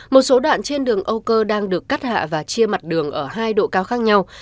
một số đoạn trên đường âu cơ đang được cắt hạ và chia mặt đường ở hai độ cao khác nhau